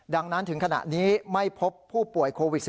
ดังนั้นถึงขณะนี้ไม่พบผู้ป่วยโควิด๑๙